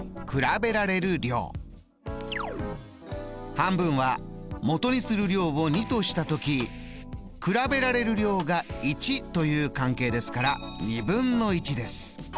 半分はもとにする量を２とした時比べられる量が１という関係ですからです。